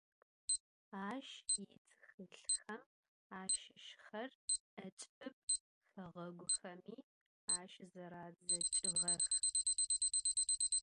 Aş yitxılhxem aşışxer 'eç'ıb xeğeguxemi aşızeradzeç'ığex.